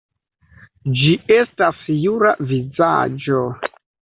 Ĝi estas jura vizaĝo.